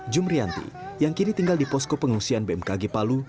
jumrianti yang kini tinggal di posko pengungsian bmkg palu